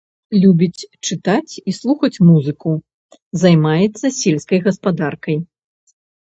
Любіць чытаць і слухаць музыку, займаецца сельскай гаспадаркай.